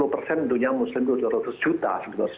penduduknya muslim itu dua ratus juta